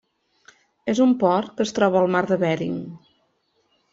És un port que es troba al mar de Bering.